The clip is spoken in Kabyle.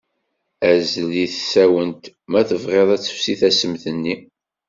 Azzel deg tsawent, ma tebɣiḍ ad tefsi tassemt-nni.